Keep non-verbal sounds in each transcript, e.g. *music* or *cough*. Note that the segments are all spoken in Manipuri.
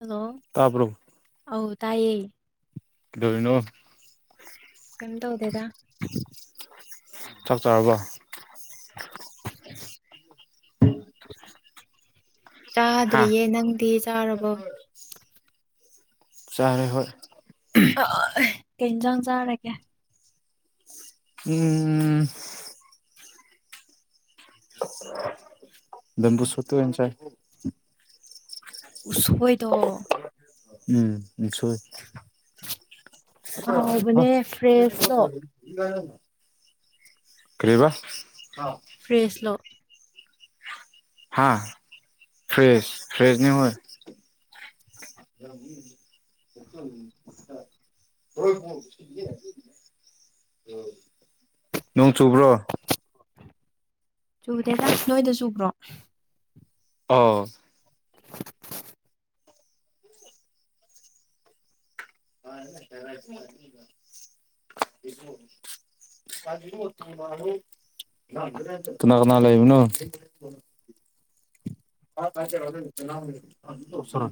ꯍꯜꯂꯣ ꯇꯥꯕ꯭ꯔꯣ ꯑꯧ ꯇꯥꯏꯌꯦ ꯀꯩꯗꯧꯔꯤꯅꯣ ꯀꯤꯝ ꯇꯧꯗꯦꯗ ꯆꯥꯛ ꯆꯥꯔꯕꯥ ꯍꯥ ꯆꯥꯗ꯭ꯔꯤꯌꯦ ꯅꯪꯗꯤ ꯆꯥꯔꯕꯣ ꯆꯥꯔꯦ ꯍꯣꯏ *unintelligible* ꯀꯩ ꯏꯟꯖꯥꯡ ꯆꯥꯔꯒꯦ ꯎꯝ꯫ ꯕꯦꯝꯕꯨ ꯁꯨꯠꯇꯣ ꯑꯣꯏꯅ ꯆꯥꯏ꯫ ꯎꯁꯣꯏꯗꯣ꯫ ꯎꯝ ꯎꯁꯣꯏ꯫ ꯍꯥ ꯍꯥꯎꯕꯅꯦ ꯐ꯭ꯔꯦꯁꯂꯣ꯫ ꯀꯔꯤꯕ꯫ ꯐ꯭ꯔꯦꯁꯂꯣ꯫ ꯍꯥꯥ ꯐ꯭ꯔꯦꯁ ꯐ꯭ꯔꯦꯁꯅꯦ ꯍꯣꯏ꯫ *inaudible* ꯅꯣꯡ ꯆꯨꯕ꯭ꯔꯣ꯫ ꯆꯨꯗꯦꯗ ꯅꯣꯏꯗ ꯆꯨꯕ꯭ꯔꯣ꯫ ꯑꯧ꯫ *inaudible* *inaudible* ꯀꯅꯥ ꯀꯅꯥ ꯂꯩꯕꯅꯣ꯫ *inaudible*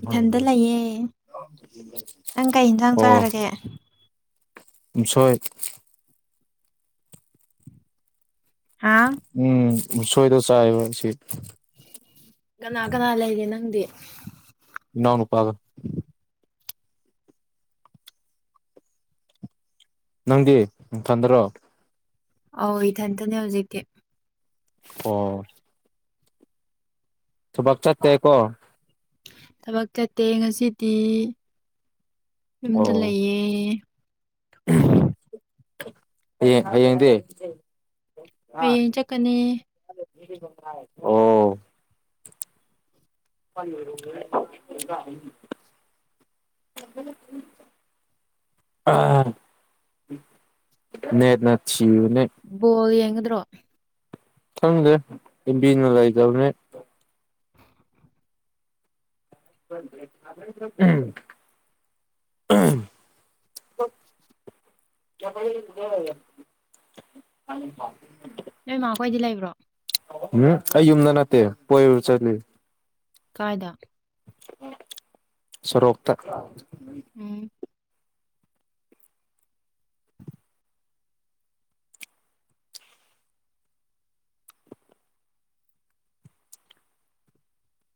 ꯏꯊꯟꯇ ꯂꯩꯌꯦ ꯅꯪ ꯀꯩ ꯏꯟꯁꯥꯡ ꯑꯣ꯫ ꯆꯥꯔꯒꯦ ꯎꯁꯣꯏ꯫ ꯍꯥꯥ꯫ ꯎꯝ ꯎꯁꯣꯏꯗꯣ ꯆꯥꯏꯕ ꯁꯤ꯫ ꯀꯅꯥ ꯀꯅꯥ ꯂꯩꯒꯦ ꯅꯪꯗꯤ꯫ ꯏꯅꯥꯎ ꯅꯨꯄꯥꯒ꯫ ꯅꯪꯗꯤ ꯅꯊꯟꯈꯔꯣ꯫ ꯑꯧ ꯏꯊꯟꯇꯅꯦ ꯍꯧꯖꯤꯛꯇꯤ꯫ ꯑꯣ꯫ ꯊꯕꯛ ꯆꯠꯇꯦꯀꯣ꯫ ꯊꯕꯛ ꯆꯠꯇꯦ ꯉꯁꯤꯗꯤ ꯌꯨꯝꯗ ꯑꯣ ꯂꯩꯌꯦ꯫ ꯍꯌꯦꯡ ꯍꯌꯦꯡꯗꯤ꯫ ꯍꯌꯦꯡ ꯆꯠꯀꯅꯤ꯫ ꯑꯣ꯫ *inaudible* ꯑꯥ꯫ ꯅꯦꯠꯅ ꯊꯤꯕꯅꯦ꯫ ꯕꯣꯜ ꯌꯦꯡꯒꯗ꯭ꯔꯣ꯫ ꯈꯪꯗꯦ ꯑꯦꯝꯕꯤꯅ ꯂꯩꯇꯕꯅꯦ꯫ ꯎꯝ꯫ *inaudible* *inaudible* ꯅꯣꯏ ꯃꯥꯈꯣꯏꯗꯤ ꯂꯩꯕ꯭ꯔꯣ꯫ ꯎꯝ ꯑꯩ ꯌꯨꯝꯗ ꯅꯠꯇꯦ ꯀꯣꯏꯕ ꯆꯠꯂꯤ꯫ ꯀꯥꯏꯗ꯫ ꯁꯣꯔꯣꯛꯇ꯫ ꯎꯝ꯫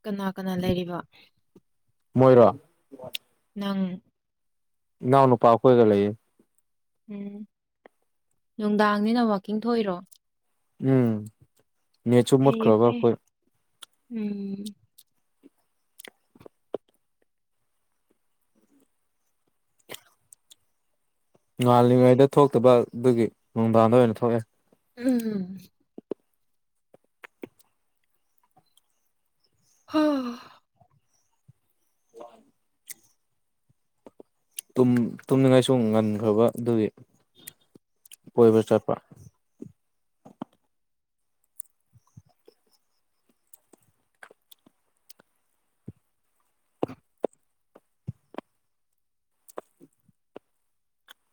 ꯀꯅꯥ ꯀꯅꯥ ꯂꯩꯔꯤꯕ꯫ ꯃꯣꯏꯔꯣ꯫ ꯅꯪ ꯏꯅꯥꯎ ꯅꯨꯄꯥ ꯑꯈꯣꯏꯒ ꯂꯩꯌꯦ ꯎꯝ ꯅꯨꯡꯗꯥꯡꯅꯤꯅ ꯋꯥꯛꯀꯤꯡ ꯊꯣꯛꯏꯔꯣ ꯎꯝ ꯅꯦꯠꯁꯨ ꯐꯩꯌꯦ ꯃꯨꯠꯈ꯭ꯔꯕ ꯐꯩ ꯑꯩꯈꯣꯏ ꯎꯝ ꯉꯥꯜꯂꯤꯉꯩꯗ ꯊꯣꯛꯇꯕ ꯑꯗꯨꯒꯤ ꯅꯨꯡꯗꯥꯡꯗ ꯑꯣꯏꯅ ꯊꯣꯛꯑꯦ ꯎꯝ ꯍꯥ ꯋꯥꯟ ꯇꯨꯝ ꯇꯨꯝꯅꯤꯡꯉꯥꯏꯁꯨ ꯉꯟꯈ꯭ꯔꯥꯕ ꯑꯗꯨꯒꯤ *inaudible* ꯀꯣꯏꯕ ꯆꯠꯄ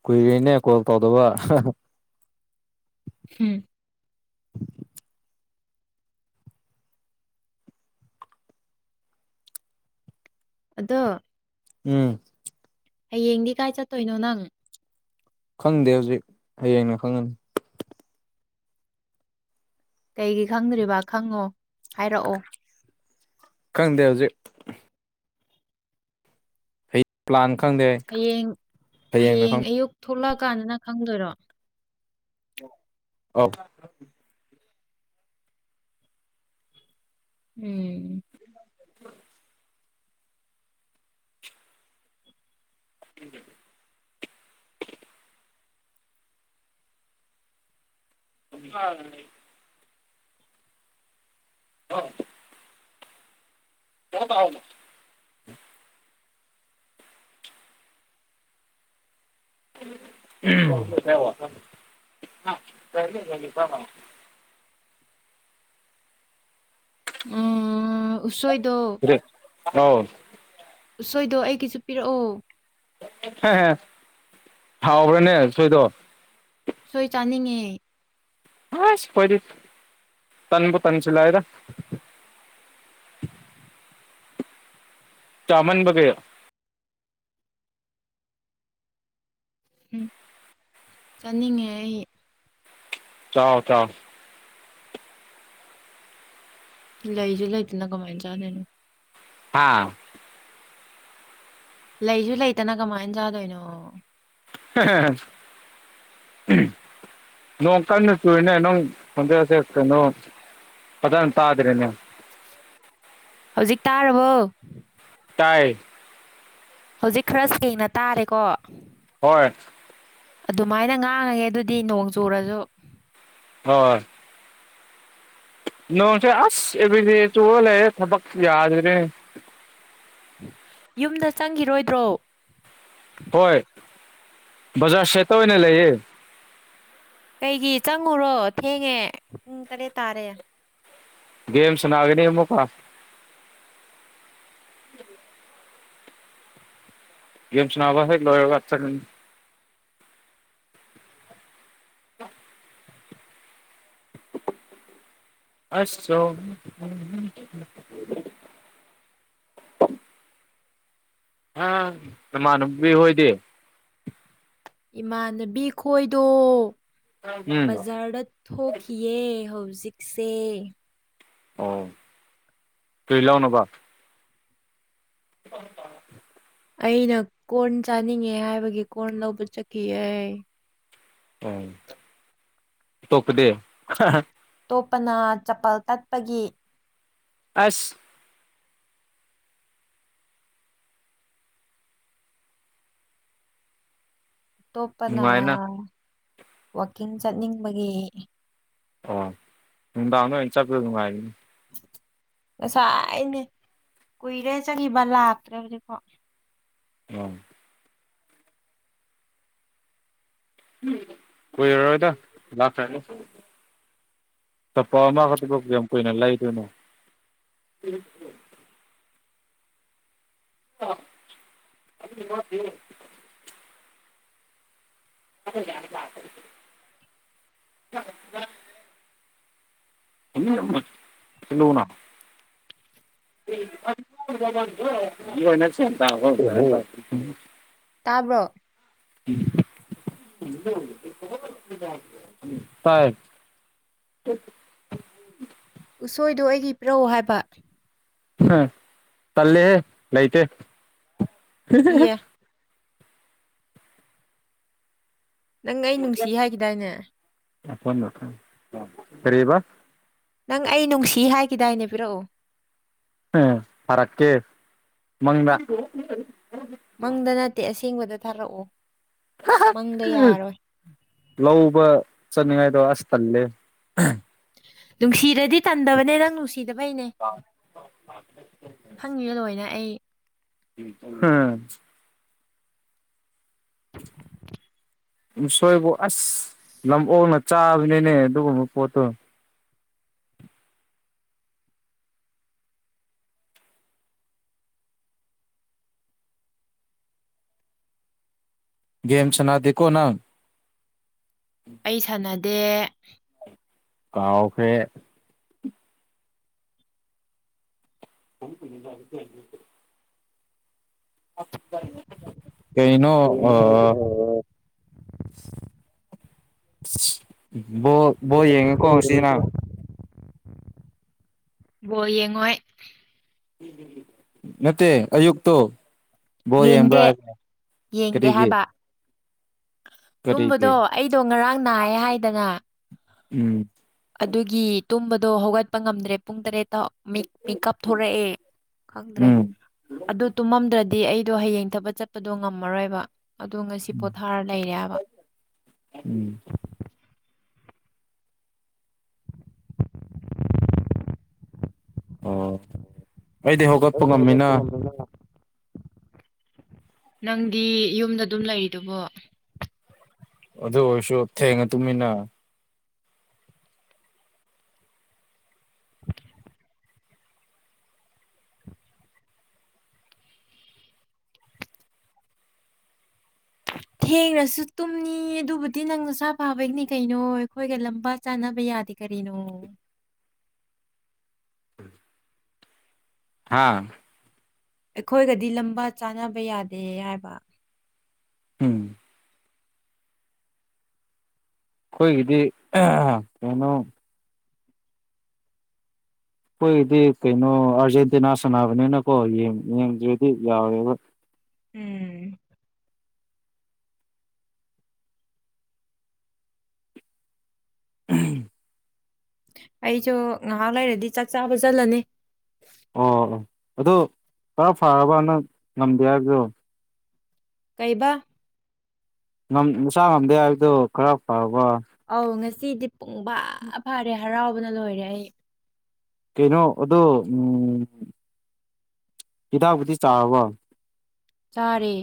ꯀꯨꯏꯔꯦꯅꯦ ꯀꯣꯜ ꯇꯧꯗꯕ ꯍꯝ ꯑꯗꯣ ꯎꯝ ꯍꯥꯌꯦꯡꯗꯤ ꯀꯥꯏ ꯆꯠꯇꯣꯏꯅꯣ ꯅꯪ ꯈꯪꯗꯦ ꯍꯧꯖꯤꯛ ꯍꯌꯦꯡꯅ ꯈꯪꯉꯅꯤ ꯀꯩꯒꯤ ꯈꯪꯗ꯭ꯔꯤꯕ ꯈꯪꯉꯣ ꯍꯥꯏꯔꯛꯑꯣ ꯈꯪꯗꯦ ꯍꯧꯖꯤꯛ ꯄ꯭ꯂꯥꯟ ꯈꯪꯗꯦ ꯍꯌꯦꯡ ꯍꯌꯦꯡꯅ ꯍꯌꯦꯡ ꯈꯪ ꯑꯌꯨꯛ ꯊꯣꯛꯂꯥꯑꯀꯥꯟꯗꯅ ꯈꯪꯗꯣꯏꯔꯣ ꯑꯧ ꯎꯝ *inaudible* *unintelligible* *unintelligible* *unintelligible* *unintelligible* ꯎꯝ *unintelligible* ꯃꯥ ꯎꯁꯣꯏꯗꯣ *unintelligible* ꯎꯁꯣꯏꯗꯣ ꯑꯩꯒꯤꯁꯨ ꯄꯤꯔꯛꯑꯣ ꯍꯥꯎꯕ꯭ꯔꯥꯅꯦ ꯎꯁꯣꯏꯗꯣ ꯎꯁꯣꯏ ꯆꯥꯅꯤꯡꯉꯦ ꯍꯩꯁ ꯈꯣꯏꯗꯤ ꯇꯟꯕꯨ ꯇꯟꯁꯤꯜꯂꯛꯑꯦ ꯗꯥ ꯆꯥꯃꯟꯕꯒꯤ ꯎꯝ ꯆꯥꯅꯤꯡꯉꯦ ꯑꯩ ꯆꯥꯎ ꯆꯥꯎ ꯂꯩꯖꯨ ꯂꯩꯇꯅ ꯀꯃꯥꯏꯟ ꯆꯥꯗꯣꯏꯅꯣ ꯍꯥꯥ ꯂꯩꯖꯨ ꯂꯩꯇꯅ ꯀꯃꯥꯏꯟ ꯆꯥꯗꯣꯏꯅꯣ ꯎꯝ ꯅꯣꯡ ꯀꯟꯅ ꯆꯨꯏꯅꯦ ꯅꯪ ꯈꯣꯟꯖꯦꯟꯁꯦ ꯀꯩꯅꯣ ꯐꯗꯟ ꯇꯥꯗ꯭ꯔꯦꯅꯦ ꯍꯧꯖꯤꯛ ꯇꯥꯔꯕꯣ ꯇꯥꯏ ꯍꯧꯖꯤꯛ ꯈꯔ ꯁꯦꯡꯅ ꯇꯥꯔꯦꯀꯣ ꯍꯣꯏ ꯑꯗꯨꯃꯥꯏꯅ ꯉꯥꯡꯉꯒꯦ ꯑꯗꯨꯗꯤ ꯅꯣꯡ ꯆꯨꯔꯖꯨ ꯍꯣꯏ ꯅꯣꯡꯁꯦ ꯑꯁ ꯑꯦꯕ꯭ꯔꯤꯗꯦ ꯆꯨꯔ ꯂꯩꯌꯦ ꯊꯕꯛꯁꯦ ꯌꯥꯗꯔꯦ ꯌꯨꯝꯗ ꯆꯪꯒꯤꯔꯣꯏꯗ꯭ꯔꯣ ꯍꯣꯏ ꯕꯖꯥꯔ ꯁꯦꯠꯇ ꯑꯣꯏꯅ ꯂꯩꯌꯦ ꯀꯩꯒꯤ ꯆꯪꯉꯨꯔꯣ ꯊꯦꯡꯉꯦ ꯄꯨꯡ ꯇꯔꯦꯠ ꯇꯥꯔꯦ ꯒꯦꯝ ꯁꯅꯥꯒꯅꯤ ꯑꯃꯨꯛꯀꯥ ꯒꯦꯝ ꯁꯅꯥꯕ ꯍꯦꯛ ꯂꯣꯏꯔꯒ ꯆꯡꯉꯅꯤ ꯑꯁ ꯆꯣ ꯑꯥ ꯅꯃꯥꯟꯅꯕꯤ ꯍꯣꯏꯗꯤ꯫ ꯏꯃꯥꯟꯅꯕꯤ ꯈꯣꯏꯗꯣ ꯎꯝ ꯕꯖꯔꯗ ꯊꯣꯛꯈꯤꯌꯦ ꯍꯧꯖꯤꯛꯁꯦ ꯑꯣ ꯀꯔꯤ ꯂꯧꯅꯕ *inaudible* ꯑꯩꯅ ꯀꯣꯔꯟ ꯆꯥꯅꯤꯡꯉꯦ ꯍꯥꯏꯕꯒꯤ ꯀꯣꯔꯟ ꯂꯧꯕ ꯆꯠꯈꯤꯌꯦ ꯑꯣ ꯑꯇꯣꯛꯄꯗꯤ ꯇꯣꯞꯄꯅ ꯆꯄꯜ ꯇꯠꯄꯒꯤ ꯑꯁ ꯇꯣꯞꯄꯅ ꯅꯨꯡꯉꯥꯏꯅ ꯋꯥꯛꯀꯤꯡ ꯆꯠꯅꯤꯡꯕꯒꯤ ꯑꯣ ꯅꯨꯡꯗꯥꯡꯗ ꯑꯣꯏꯅ ꯆꯠꯄ ꯅꯨꯡꯉꯥꯏꯕꯅꯤ ꯉꯁꯥꯏꯅꯦ ꯀꯨꯏꯔꯦ ꯆꯪꯒꯤꯕ ꯂꯥꯛꯇ꯭ꯔꯤ ꯍꯧꯖꯤꯛꯐꯥꯎ ꯑꯣ ꯀꯨꯏꯔꯔꯣꯏꯗ ꯂꯥꯛꯈꯔ꯭ꯅꯤ ꯆꯄ ꯑꯃ ꯈꯠꯇꯗꯣ ꯀꯌꯥꯝ ꯀꯨꯏꯅ ꯂꯩꯥꯗꯣꯏꯅ *unintelligible* *unintelligible* *unintelligible* *unintelligible* ꯇꯥꯕ꯭ꯔꯣ *unintelligible* ꯇꯥꯏ *inaudible* ꯎꯁꯣꯏꯗꯣ ꯑꯩꯒꯤ ꯄꯤꯔꯧ ꯍꯥꯏꯕ ꯍꯥ ꯇꯜꯂꯦꯍꯦ ꯂꯩꯩꯇꯦ ꯏꯌꯦ ꯅꯪ ꯑꯩ ꯅꯨꯡꯁꯤ ꯍꯥꯏꯈꯤꯗꯥꯏꯅꯦ ꯀꯔꯤ ꯑꯦꯕ ꯅꯪ ꯑꯩ ꯅꯨꯡꯁꯤ ꯍꯥꯏꯈꯤꯗꯥꯏꯅꯦ ꯄꯤꯔꯛꯎ ꯎꯝ ꯊꯔꯛꯀꯦ ꯃꯪꯗ ꯃꯪꯗ ꯅꯠꯇꯦ ꯑꯁꯦꯡꯕꯗ ꯊꯥꯔꯛꯑꯣ ꯃꯪꯗ ꯌꯥꯔꯣꯏ ꯂꯧꯕ ꯆꯠꯅꯤꯡꯉꯥꯏꯗꯣ ꯑꯁ ꯇꯜꯂꯦ ꯅꯨꯡꯁꯤꯔꯗꯤ ꯇꯟꯗꯕꯅꯦ ꯅꯪ ꯅꯨꯡꯁꯤ ꯁꯤꯗꯕꯩꯅꯦ ꯈꯪꯉꯦ ꯂꯣꯏꯅ ꯑꯩ ꯍꯥ ꯎꯁꯣꯏꯕꯨ ꯑꯁ ꯂꯝꯑꯣꯛꯅ ꯆꯥꯕꯅꯤꯅꯦ ꯑꯗꯨꯒꯨꯝꯕ ꯄꯣꯠꯇꯣ ꯒꯦꯝ ꯁꯥꯟꯅꯗꯦꯀꯣ ꯅꯪ ꯑꯩ ꯁꯥꯟꯅꯗꯦ ꯀꯥꯎꯈ꯭ꯔꯦ *unintelligible* ꯀꯩꯅꯣ ꯑ ꯕꯣ ꯕꯣ ꯌꯦꯡꯉꯨꯀꯣ ꯉꯁꯤ ꯅꯪ ꯕꯣꯜ ꯌꯦꯡꯉꯣꯏ ꯅꯠꯇꯦ ꯑꯌꯨꯛꯇꯣ ꯕꯣꯜ ꯌꯦꯡꯕ꯭ꯔꯥ ꯌꯦꯡꯗꯦ ꯍꯥꯏꯅꯦ ꯌꯦꯡꯗꯦ ꯀꯔꯤꯒꯤ ꯍꯥꯏꯕ ꯇꯨꯝꯕꯗꯣ ꯀꯔꯤꯒꯤ ꯑꯩꯗꯣ ꯉꯔꯥꯡ ꯅꯥꯏꯑꯦ ꯍꯥꯏꯗꯅꯥ ꯎꯝ ꯑꯗꯨꯒꯤ ꯇꯨꯝꯕꯗꯣ ꯍꯧꯒꯠꯄ ꯉꯝꯗ꯭ꯔꯦ ꯄꯨꯡ ꯇꯔꯦꯠꯇꯣ ꯃꯤꯠ ꯃꯤꯀꯞ ꯊꯣꯔꯛꯑꯦ ꯈꯪꯗ꯭ꯔꯦ ꯎꯝ ꯑꯗꯨ ꯇꯨꯝꯃꯝꯗ꯭ꯔꯗꯤ ꯑꯩꯗꯣ ꯍꯌꯦꯡ ꯊꯕꯛ ꯆꯠꯄꯗꯣ ꯉꯝꯃꯔꯣꯏꯕ ꯑꯗꯣ ꯉꯁꯤ ꯎꯝ ꯄꯣꯊꯥꯔ ꯂꯩꯔꯦꯕ ꯎꯝ ꯑꯣ ꯑꯩꯗꯤ ꯍꯧꯒꯠꯄ ꯑꯩꯗꯣ ꯉꯝꯃꯤꯅꯥ ꯉꯝꯗꯅ ꯅꯪꯗꯤ ꯌꯨꯝꯗ ꯑꯗꯨꯝ ꯂꯩꯗꯨꯕꯣ ꯑꯗꯨ ꯑꯣꯏꯔꯁꯨ ꯊꯦꯡꯅ ꯇꯨꯝꯃꯤꯅ *unintelligible* ꯊꯦꯡꯅꯁꯨ ꯇꯨꯝꯅꯤ ꯑꯗꯨꯕꯨꯗꯤ ꯅꯪ ꯅꯁꯥ ꯐꯥꯕꯒꯤꯅꯤ ꯀꯩꯅꯣ ꯑꯩꯈꯣꯏꯒ ꯂꯝꯕꯥ ꯆꯥꯅꯕ ꯌꯥꯗꯦ ꯀꯔꯤꯅꯣ ꯍꯥꯥ ꯑꯩꯈꯣꯏꯒꯗꯤ ꯂꯝꯕꯥ ꯆꯥꯅꯕ ꯌꯥꯗꯦ ꯍꯥꯏꯕ ꯎꯝ ꯑꯩꯈꯣꯏꯒꯤꯗꯤ ꯀꯩꯅꯣ ꯑꯩꯈꯣꯏꯗꯤ ꯀꯩꯅꯣ ꯑꯥꯔꯖꯦꯟꯇꯤꯅꯥ ꯁꯥꯟꯅꯕꯅꯤꯅꯀꯣ ꯌꯦꯡ ꯌꯦꯡꯗ꯭ꯔꯗꯤ ꯌꯥꯔꯣꯏꯕ ꯎꯝ *inaudible* ꯑꯩꯁꯨ ꯉꯥꯏꯍꯥꯛ ꯂꯩꯔꯗꯤ ꯆꯥꯛ ꯆꯥꯕ ꯆꯜꯂꯅꯤ ꯑꯣ ꯑꯣ ꯑꯗꯨ ꯈꯔ ꯐꯔꯕ ꯅꯪ ꯉꯝꯗꯦ ꯍꯥꯏꯕꯗꯣ ꯀꯩꯕꯥ ꯉꯝ ꯅꯁꯥ ꯉꯝꯗꯦ ꯍꯥꯏꯕꯗꯨ ꯈꯔ ꯐꯔꯕ ꯑꯧ ꯉꯁꯤꯗꯤ ꯄꯨꯡ ꯐꯥ ꯐꯔꯦ ꯍꯔꯥꯎꯕꯅ ꯂꯣꯏꯔꯦ ꯑꯩ ꯀꯩꯅꯣ ꯑꯗꯣ ꯎꯝ ꯍꯤꯗꯥꯛꯕꯨꯨꯗꯤ ꯆꯥꯔꯕꯣ ꯆꯥꯔꯦ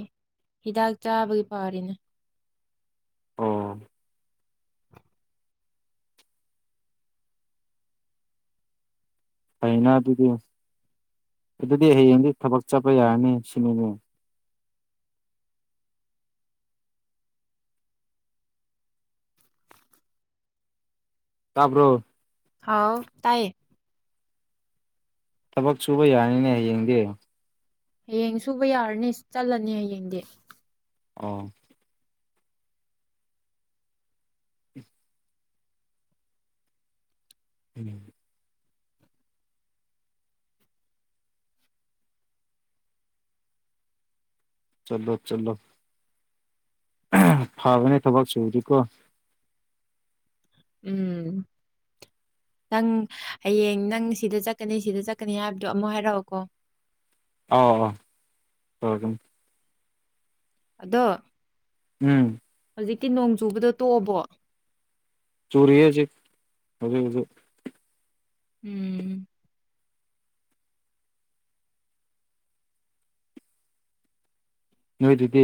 ꯍꯤꯗꯥꯛ ꯆꯥꯕꯒꯤ ꯐꯔꯤꯅꯦ ꯑꯣ ꯐꯩꯅ ꯑꯗꯨꯗꯤ ꯑꯗꯨꯗꯤ ꯍꯌꯦꯡꯗꯤ ꯊꯕꯛ ꯆꯠꯄ ꯌꯥꯔꯅꯤ ꯁꯤꯅꯤꯅꯦ ꯇꯥꯕ꯭ꯔꯣ ꯍꯥꯎ ꯇꯥꯏꯌꯦ ꯊꯕꯛ ꯁꯨꯕ ꯌꯥꯅꯤꯅꯦ ꯍꯌꯦꯡꯗꯤ ꯍꯌꯦꯡ ꯁꯨꯕ ꯌꯥꯔꯅꯤ ꯆꯠꯂꯅꯤ ꯍꯌꯦꯡꯗꯤ ꯑꯣ ꯎꯝ ꯆꯠꯂꯣ ꯆꯠꯂꯣ ꯐꯕꯅꯦ ꯊꯕꯛ ꯁꯨꯕꯗꯤꯀꯣ ꯎꯝ ꯅꯪ ꯍꯌꯦꯡ ꯅꯪ ꯁꯤꯗ ꯆꯠꯀꯅꯤ ꯁꯤꯗ ꯆꯠꯀꯅꯤ ꯍꯥꯏꯕꯗꯣ ꯑꯃꯨꯛ ꯍꯥꯏꯔꯛꯑꯣꯀꯣ ꯑꯥꯎ *unintelligible* ꯑꯗꯣ ꯎꯝ ꯍꯧꯖꯤꯛꯇꯤ ꯅꯣꯡ ꯆꯨꯕꯗꯣ ꯇꯣꯛꯑꯕꯣ ꯆꯨꯔꯤꯌꯦ ꯍꯧꯖꯤꯛ ꯍꯧꯖꯤꯛ ꯍꯧꯖꯤꯛ ꯎꯝ ꯅꯣꯏ ꯑꯗꯨꯒꯤ